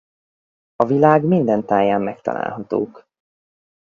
A világ minden táján megtalálhatók.